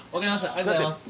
ありがとうございます。